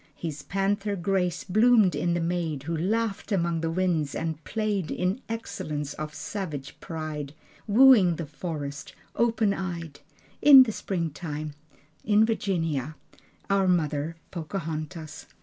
His panther grace bloomed in the maid Who laughed among the winds and played In excellence of savage pride, Wooing the forest, open eyed, In the springtime, In Virginia, Our Mother, Pocahontas.